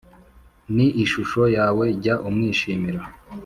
ni ishusho yawe jya umwishimira